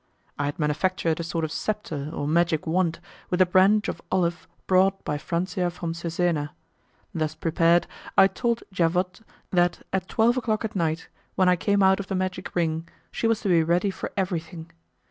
I had manufactured a sort of sceptre or magic wand with the branch of olive brought by Franzia from Cesena. Thus prepared, I told Javotte that, at twelve o'clock at night, when I came out of the magic ring, she was to be ready for everything.